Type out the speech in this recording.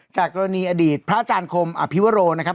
จากกรณีอดีตพระอาจารย์คมอภิวโรนะครับ